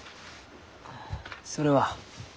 それは？